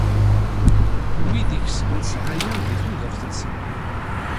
Wid i ikesben ssɛaya di tudert-nsen.